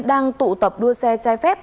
đang tụ tập đua xe chai phép